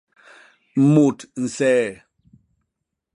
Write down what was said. Mut nsee.